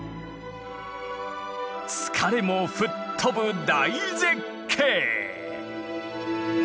疲れも吹っ飛ぶ大絶景！